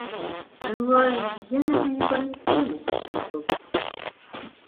Un ouvrage bien accueilli par les spécialistes, à l’époque.